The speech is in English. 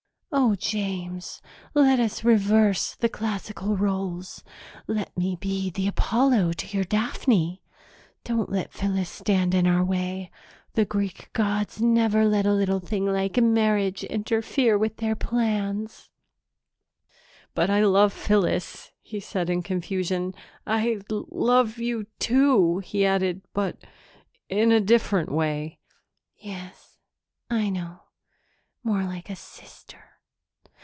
Oh, James, let us reverse the classical roles let me be the Apollo to your Daphne! Don't let Phyllis stand in our way. The Greek gods never let a little thing like marriage interfere with their plans." "But I love Phyllis," he said in confusion. "I love you, too," he added, "but in a different way." "Yes, I know. More like a sister.